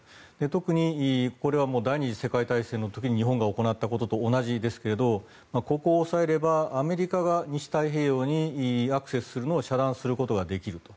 特にこれは第２次世界大戦の時に日本が行ったことと同じですけどもここを押さえればアメリカが西太平洋にアクセスするのを遮断することができると。